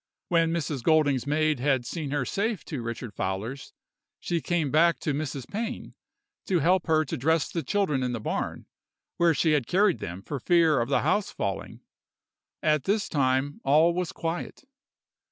When Mrs. Golding's maid had seen her safe to Richard Fowler's, she came back to Mrs. Pain, to help her to dress the children in the barn, where she had carried them for fear of the house falling. At this time all was quiet.